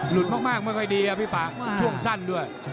หลุดมากไม่ไหวที่แม่งพี่ภังรดื่อสั้นด้วย